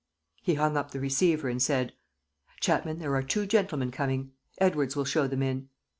He hung up the receiver and said: "Chapman, there are two gentlemen coming. Edwards will show them in.